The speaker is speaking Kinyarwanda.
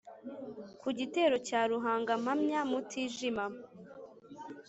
Ku gitero cya Ruhunga mpamya Mutijima.